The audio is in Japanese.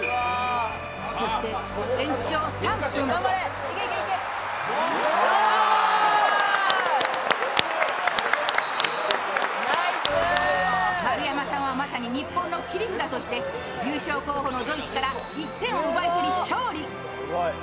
そして延長３分丸山さんはまさに日本の切り札として優勝候補のドイツから１点を奪い取り、勝利。